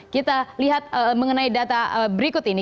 kita lihat mengenai data berikut ini